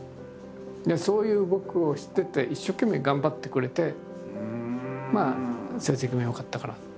そういう僕を知ってて一生懸命頑張ってくれてまあ成績も良かったから。